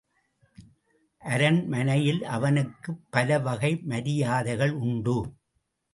அரண்மனையில் அவனுக்குப் பலவகை மரியாதைகள் உண்டு.